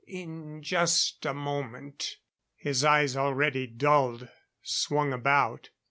In just a moment...." His eyes, already dulled, swung about.